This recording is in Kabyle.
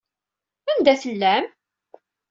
Anda tellam?